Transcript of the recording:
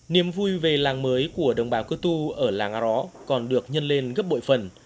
niềm vui về làng mới của đồng bào cơ tu ở làng a ró còn được nhân lên gấp bội phần